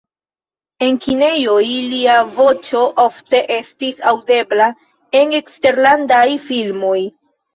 En kinejoj lia voĉo ofte estis aŭdebla en eksterlandaj filmoj.